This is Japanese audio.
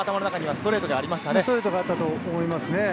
ストレートがあったと思いますね。